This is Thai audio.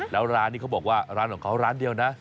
แล้วร้านนี้เขาบอกว่าร้านของเขาร้านเดียวนะ